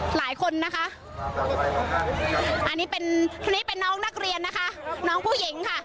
หลายคนนะคะอันนี้เป็นคนนี้เป็นน้องนักเรียนนะคะน้องผู้หญิงค่ะ